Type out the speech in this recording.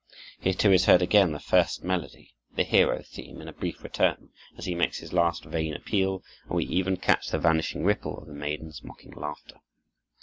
Here, too, is heard again the first melody, the hero theme, in a brief return, as he makes his last, vain appeal, and we even catch the vanishing ripple of the maiden's mocking laughter.